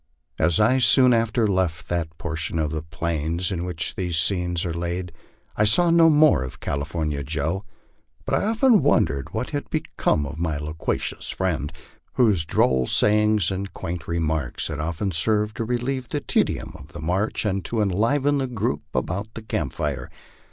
As I soon after left that portion of the plains in which these scenes are laid, I saw no more of California Joe; but I often wondered what had become of my loquacious friend, whose droll sayings and quaint remarks had often served to relieve the tedium of the march or to enliven the group about the camp fire.